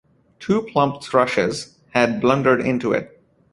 Two plump thrushes had blundered into it.